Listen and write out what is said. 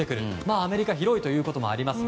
アメリカは広いということもあります。